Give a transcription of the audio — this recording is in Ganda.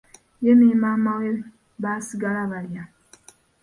Ye ne maama we baasigala balya.